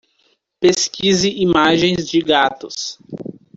Pesquise imagens de gatos.